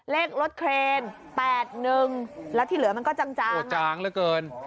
เลขรถเครนแปดหนึ่งแล้วที่เหลือมันก็จางจางโหจางเหลือเกิน